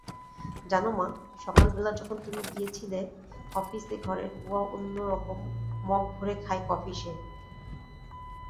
জানো মা, সকালবেলা যখন তুমি গিয়েছিলে অফিসেঘরের বুয়া অন্য রকমমগ ভরে খায় কফি সে।